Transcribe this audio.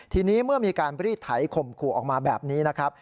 ทีนี้เมื่อมีการรีดไถข่มขู่ออกมาแบบนี้นะครับ